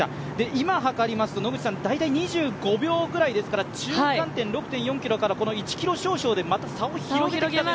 今はかりますと大体２５秒くらいですから中間点６．４ｋｍから１ｋｍ少々で差を広げてきました